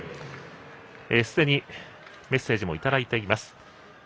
すでにメッセージもいただいています。